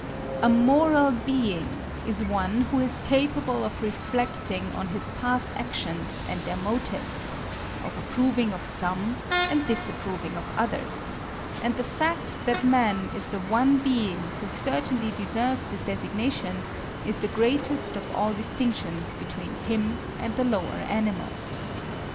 A moral being is one who is capable of reflecting on his past actions and their motives—of approving of some and disapproving of others; and the fact that man is the one being who certainly deserves this designation, is the greatest of all distinctions between him and the lower animals.